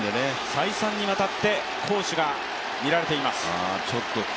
再三にわたって好守が光っています。